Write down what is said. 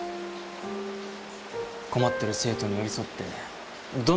困ってる生徒に寄り添ってどんな悩みも解決して。